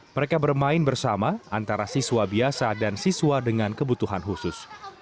mereka bermain bersama antara siswa biasa dan siswa dengan kebutuhan khusus